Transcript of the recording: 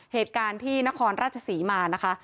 เหตุการณ์ที่นครราชศรีมานะคะ